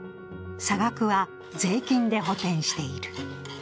差額は税金で補填している。